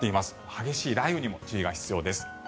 激しい雷雨にも注意が必要です。